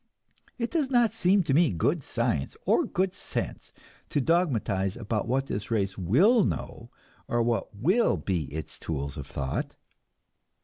It does not seem to me good science or good sense to dogmatize about what this race will know, or what will be its tools of thought.